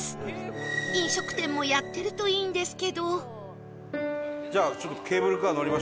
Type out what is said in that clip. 飲食店もやってるといいんですけど